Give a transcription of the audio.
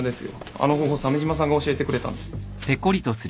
あの方法鮫島さんが教えてくれたんで。